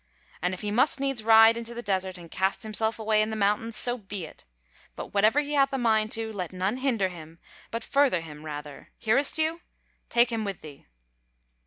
And if he must needs ride into the desert, and cast himself away in the mountains, so be it. But whatever he hath a mind to, let none hinder him, but further him rather; hearest thou? take him with thee."